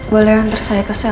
boleh antar saya ke sel ya